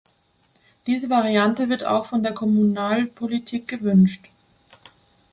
Diese Variante wird auch von der Kommunalpolitik gewünscht.